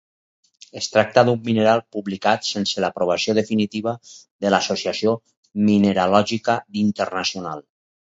Es tracta d'un mineral publicat sense l'aprovació definitiva de l'Associació Mineralògica Internacional.